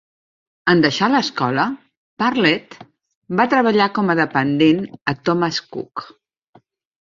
En deixar l'escola, Parlett va treballar com a dependent a Thomas Cook.